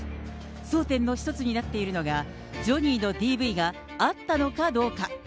争点の一つになっているのが、ジョニーのＤＶがあったのかどうか。